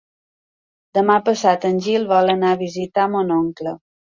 Demà passat en Gil vol anar a visitar mon oncle.